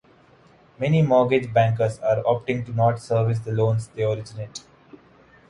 Many mortgage bankers are opting not to service the loans they originate.